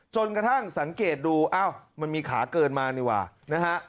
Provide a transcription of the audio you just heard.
จนกระทั่งสังเกตดูอ้าวมันมีขาเกินมานี่ว่ะนะฮะ